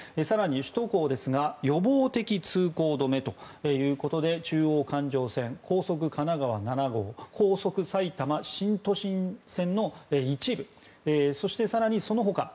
更に首都高ですが予防的通行止めということで中央環状線、高速神奈川７号高速埼玉新都心線の一部そして更にその他